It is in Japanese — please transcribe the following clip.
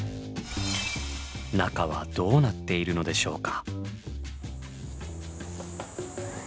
中はどうなっているのでしょうか？